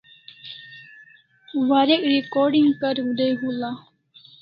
Warek recording kariu dai hul'a